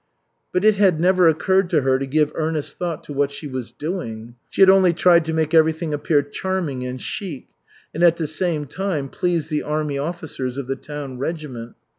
But it had never occurred to her to give earnest thought to what she was doing. She had only tried to make everything appear "charming" and chic and at the same time please the army officers of the town regiment.